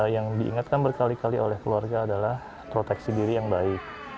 yang diingatkan berkali kali oleh keluarga adalah proteksi diri yang baik